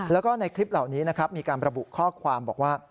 แล้วก็ในคลิปเหล่านี้นะครับมีการระบุข้อความบอกว่า